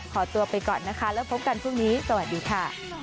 ขอตัวไปก่อนนะคะแล้วพบกันพรุ่งนี้สวัสดีค่ะ